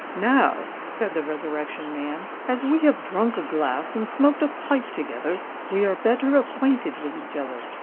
"Now," said the Resurrection Man, "as we have drunk a glass and smoked a pipe together, we are better acquainted with each other."